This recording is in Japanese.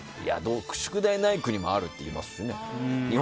宿題ない国もあるっていいますからね。